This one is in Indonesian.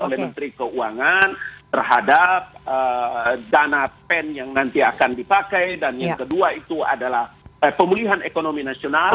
oleh menteri keuangan terhadap dana pen yang nanti akan dipakai dan yang kedua itu adalah pemulihan ekonomi nasional